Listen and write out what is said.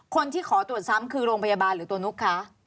คนที่ขอตรวจซ้ำคือโรงพยาบาลหรือตัวนุ๊กคะ